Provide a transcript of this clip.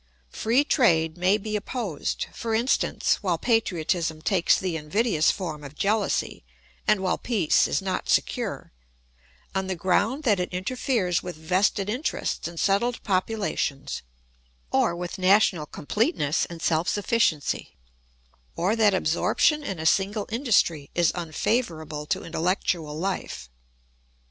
Free trade may be opposed, for instance (while patriotism takes the invidious form of jealousy and while peace is not secure), on the ground that it interferes with vested interests and settled populations or with national completeness and self sufficiency, or that absorption in a single industry is unfavourable to intellectual life.